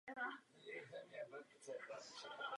Neměli bychom zapříčinit ztrátu své vlastní důvěryhodnosti.